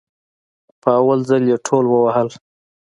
په اول ځل يي ټول ووهل